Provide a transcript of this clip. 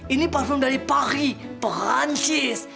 ini parfum dari paris prancis